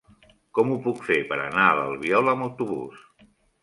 Com ho puc fer per anar a l'Albiol amb autobús?